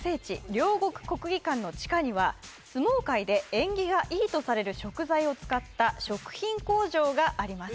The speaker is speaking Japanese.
両国国技館の地下には相撲界で縁起がいいとされる食材を使った食品工場があります